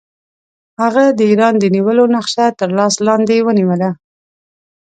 هغه د ایران د نیولو نقشه تر لاس لاندې ونیوله.